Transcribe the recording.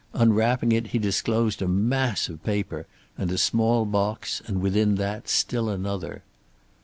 Unwrapping it he disclosed a mass of paper and a small box, and within that still another.